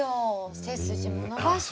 背筋も伸ばして。